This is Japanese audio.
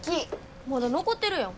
まだ残ってるやん。